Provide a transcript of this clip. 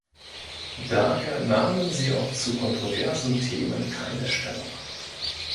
Daher nahmen sie auch zu kontroversen Themen keine Stellung.